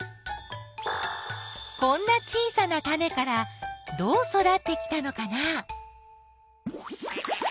こんな小さなタネからどう育ってきたのかな？